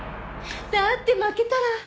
だって負けたら。